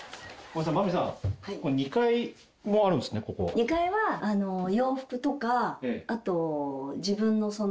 ２階は洋服とかあと自分のその。